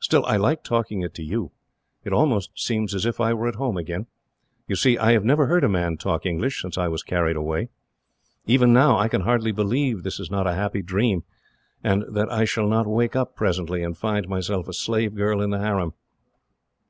Still, I like talking it to you. It almost seems as if I were at home again. You see, I have never heard a man talk English, since I was carried away. Even now, I can hardly believe this is not a happy dream, and that I shall not wake up, presently, and find myself a slave girl in the harem."